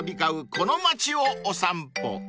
この街をお散歩］